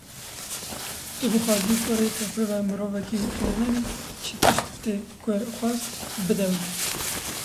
Tu bixwazî kurê te bibe mirovekî xêrnedî, çi tiştê ku xwast, bide wî.